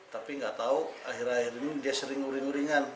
tapi nggak tahu akhir akhir ini dia sering uring uringan